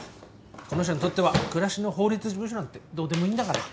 この人にとっては暮らしの法律事務所なんてどうでもいいんだから。